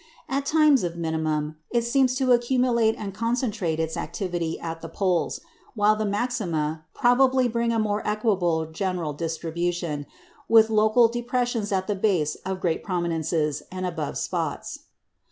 At times of minimum it seems to accumulate and concentrate its activity at the poles; while maxima probably bring a more equable general distribution, with local depressions at the base of great prominences and above spots.